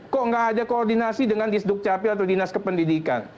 kok nggak ada koordinasi dengan disduk capil atau dinas kependidikan